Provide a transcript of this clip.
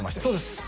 そうです